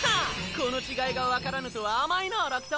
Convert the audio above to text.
この違いが分からぬとは甘いな荒北。